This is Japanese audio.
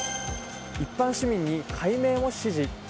一般市民に改名も指示？